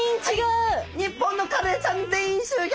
日本のカレイちゃん全員集合！